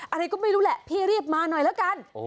อะไรก็ไม่รู้แหละพี่รีบมาหน่อยแล้วกัน